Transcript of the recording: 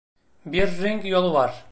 Bir ring yolu var.